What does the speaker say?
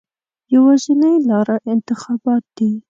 یوازینۍ لاره انتخابات دي.